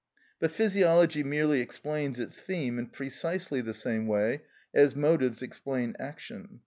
But physiology merely explains its theme in precisely the same way as motives explain action.